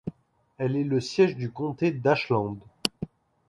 Elle est le siège du comté d'Ashland.